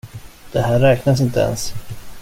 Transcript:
Det här räknas inte ens.